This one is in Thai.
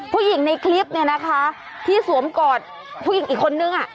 ผู้หญิงในคลิปเนี่ยนะคะที่สวมกอดผู้หญิงอีกคนนึง